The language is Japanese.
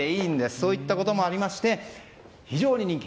そういったこともあり非常に人気。